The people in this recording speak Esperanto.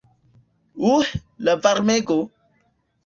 Uh, la varmego!